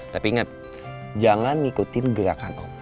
tapi ingat jangan ngikutin gerakan om